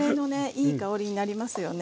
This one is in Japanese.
いい香りになりますよね。